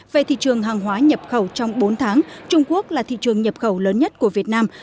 về thị trường hàng hóa nhập khẩu trong bốn tháng trung quốc là thị trường nhập khẩu lớn nhất của việt nam